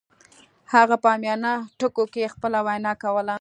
هغه په عامیانه ټکو کې خپله وینا کوله